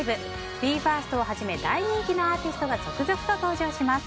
ＢＥ：ＦＩＲＳＴをはじめ大人気のアーティストが続々と登場します。